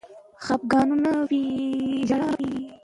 علم د انسان ذهن خلاصوي او د پرمختګ نوې لارې ورښيي.